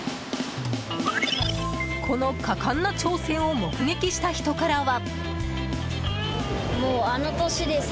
この果敢な挑戦を目撃した人からは。